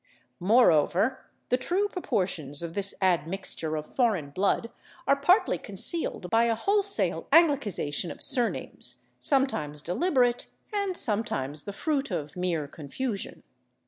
Moreover, the true proportions of this admixture of foreign blood are partly concealed by a wholesale anglicization of surnames, sometimes deliberate and sometimes the fruit of mere confusion.